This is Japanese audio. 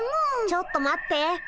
ちょっと待って。